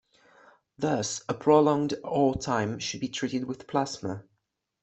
Thus, a prolonged R time should be treated with plasma.